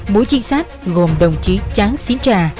mũi trinh sát gồm đồng chí tráng sinh trà